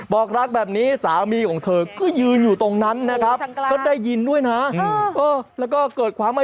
บอกรักแบบนี้สามีของเธอก็ยืนอยู่ตรงนั้นนะครับ